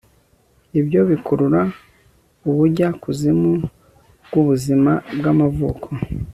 ibyo bikurura ubujyakuzimu bwubuzima bwamavuko